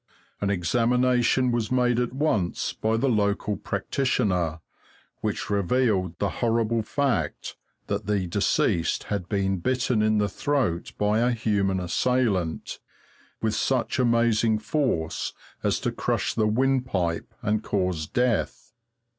An examination was made at once by the local practitioner, which revealed the horrible fact that the deceased had been bitten in the throat by a human assailant, with such amazing force as to crush the windpipe and cause death.